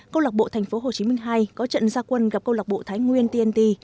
câu lạc bộ tp hcm hai có trận gia quân gặp câu lạc bộ thái nguyên tnt